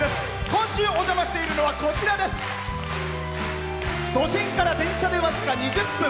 今週お邪魔しているのは都心から電車で僅か２０分。